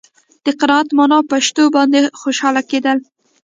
د قناعت معنا په شتو باندې خوشاله کېدل.